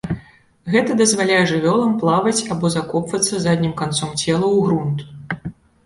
Гэта дазваляе жывёлам плаваць або закопвацца заднім канцом цела ў грунт.